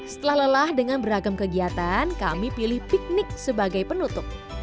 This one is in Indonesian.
setelah lelah dengan beragam kegiatan kami pilih piknik sebagai penutup